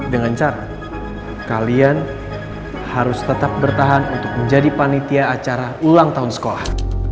dengan cara kalian harus tetap bertahan untuk menjadi panitia acara ulang tahun sekolah